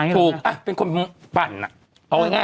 ถูกเป็นคนปั่นอะ